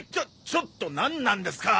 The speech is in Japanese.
ちょっとなんなんですか？